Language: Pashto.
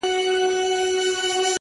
لښکر د سورلنډیو به تر ګوره پوري تښتي!!